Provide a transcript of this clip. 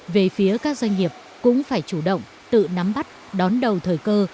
về phía các doanh nghiệp cũng phải chủ động tự nắm bắt đón đầu thời cơ